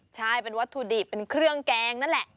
ใช่เป็นวัตถุดิบเป็นเครื่องแกงนั่นแหละ